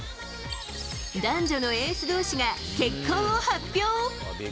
男女のエースどうしが結婚を発表。